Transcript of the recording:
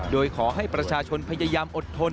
โดยขอให้ประชาชนพยายามอดทน